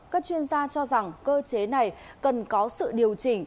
các chuyên gia cho rằng cơ chế này cần có sự điều chỉnh